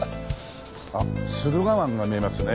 あっ駿河湾が見えますね。